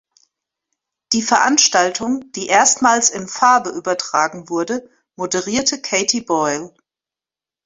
Die Veranstaltung, die erstmals in Farbe übertragen wurde, moderierte Katie Boyle.